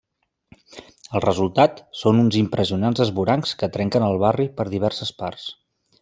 El resultat són uns impressionants esvorancs que trenquen el barri per diverses parts.